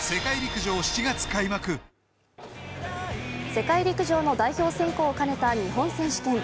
世界陸上の代表選考を兼ねた日本選手権。